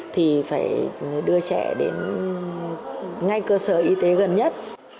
thì phải đưa trẻ đến ngay cơ sở y tế gần nhất